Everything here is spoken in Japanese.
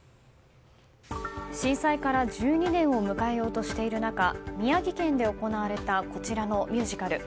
震災から１２年を迎えようとしている中宮城県で行われたこちらのミュージカル。